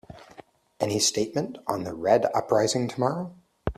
Any statement on the Red uprising tomorrow?